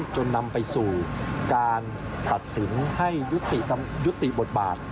จนนำไปสู่การตัดสินให้ยุติบทบาท